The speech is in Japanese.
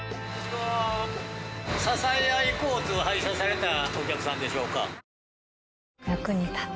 ささえ合い交通を配車されたお客さんでしょうか？